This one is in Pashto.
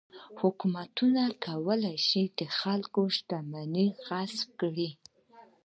حکومت کولای شي چې د خلکو شتمنۍ غصب کړي.